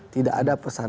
tidak ada pesanan